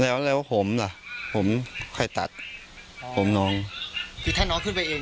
แล้วแล้วผมล่ะผมค่อยตัดผมน้องคือถ้าน้องขึ้นไปเอง